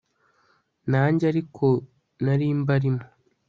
nange ariko nari mbarimo